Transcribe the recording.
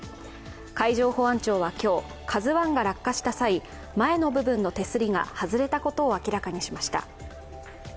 海上保安庁は今日、「ＫＡＺＵⅠ」が落下した際、前の部分の手すりが外れたことを明らかにしました。